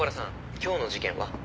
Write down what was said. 今日の事件は？」